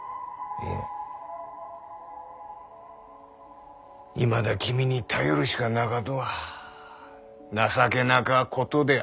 いまだ君に頼るしかなかとは情けなかことであるんである。